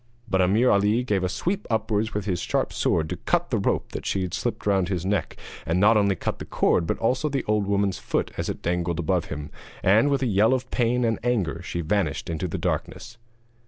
But Ameer Ali gave a sweep upwards with his sharp sword to cut the rope that she had slipped round his neck, and not only cut the cord but cut also the old woman's foot as it dangled above him; and with a yell of pain and anger she vanished into the darkness.